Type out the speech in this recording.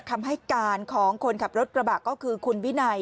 คำให้การของคนขับรถกระบะก็คือคุณวินัย